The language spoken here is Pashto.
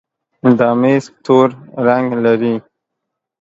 دا ميز تور رنګ لري.